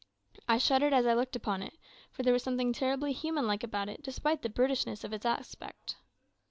I shuddered as I looked upon it, for there was something terribly human like about it, despite the brutishness of its aspect.